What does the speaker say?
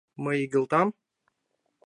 Мый игылтам?!.